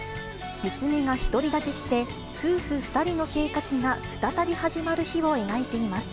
娘が独り立ちして、夫婦２人の生活が再び始まる日を描いています。